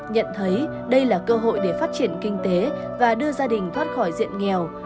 nhận thấy đây là cơ hội để phát triển kinh tế và đưa gia đình thoát khỏi diện nghèo